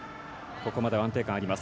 ここまでは安定感あります。